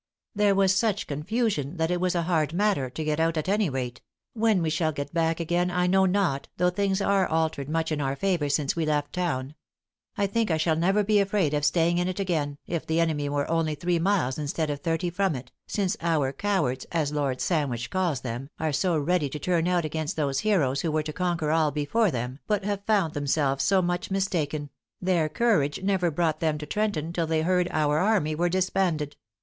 There was such confusion that it was a hard matter to get out at any rate; when we shall get back again I know not, though things are altered much in our favor since we left town. I think I shall never be afraid of staying in it again, if the enemy were only three miles instead of thirty from it, since our cowards, as Lord Sandwich calls them, are so ready to turn out against those heroes who were to conquer all before them, but have found themselves so much mistaken; their courage never brought them to Trenton, till they heard our army were disbanded.